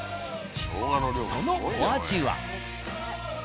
そのお味は。